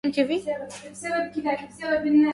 مُسح الفيديو.